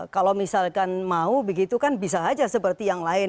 kalau misalkan mau begitu kan bisa saja seperti yang lain